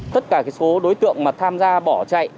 tất cả số đối tượng mà tham gia bỏ chạy